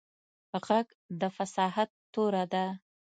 غږ د فصاحت توره ده